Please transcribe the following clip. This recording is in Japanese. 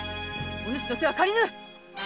お主の手は借りぬ！